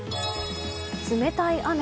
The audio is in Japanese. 冷たい雨。